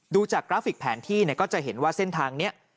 ดูจากกราฟิกแผนที่เนี่ยก็จะเห็นว่าเส้นทางนี้